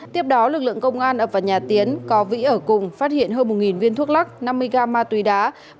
tiếp đó lực lượng công an ập vào nhà tiến có vĩ ở cùng phát hiện hơn một viên thuốc lắc năm mươi gram ma túy đá